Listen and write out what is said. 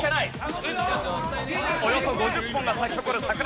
およそ５０本が咲き誇る桜の名所。